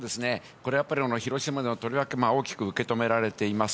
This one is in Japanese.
これやっぱり、広島でもとりわけ大きく受け止められています。